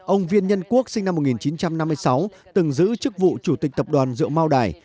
ông viên nhân quốc sinh năm một nghìn chín trăm năm mươi sáu từng giữ chức vụ chủ tịch tập đoàn rượu mao đài